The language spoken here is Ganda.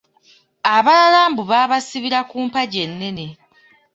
Abalala mbu baabasibira ku mpagi ennene.